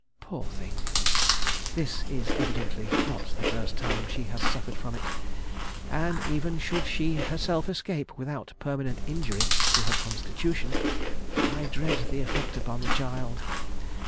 Poor thing! this is evidently not the first time she has suffered from it, and even should she herself escape without permanent injury to her constitution, I dread the effect upon the child....